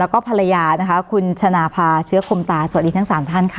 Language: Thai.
แล้วก็ภรรยานะคะคุณชนะพาเชื้อคมตาสวัสดีทั้ง๓ท่านค่ะ